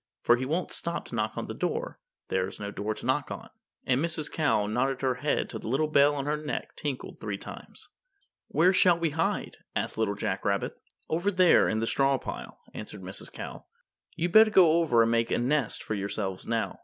For he won't stop to knock on the door there's no door to knock on." And Mrs. Cow nodded her head till the little bell at her neck tinkled three times. "Where shall we hide?" asked Little Jack Rabbit. "Over there in the straw pile," answered Mrs. Cow. "You'd better go over and make a nest for yourselves now.